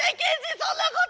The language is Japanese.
そんなこと！